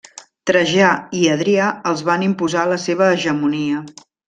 Trajà i Adrià els van imposar la seva hegemonia.